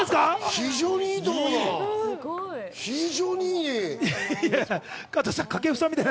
非常にいいと思うな。